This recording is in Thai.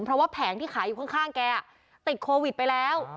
เพราะว่าแผงที่ขายอยู่ข้างแกติดโควิดไปแล้ว